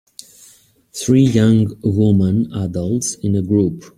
Three young woman adults in a group